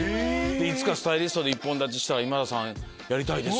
スタイリストで一本立ちしたら今田さんやりたいです」。